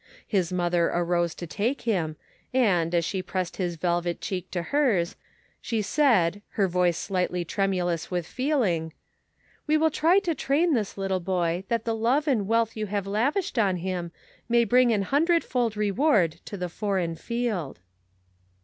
His mother arose to take him, and, as she pressed his velvet cheek to hers, she said, her voice slightly tremulous with feeling :" We will try to train this little boy that the love and wealth you have lavished on him may bring an hundred fold reward to the foreign field."